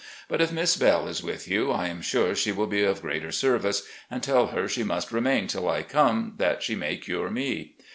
But if Miss Belle is with you, I am sure she will be of greater service, and tell her she must remain till I come, that she may cirre me.